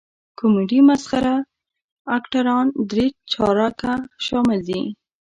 کمیډي مسخره اکټران درې چارکه شامل دي.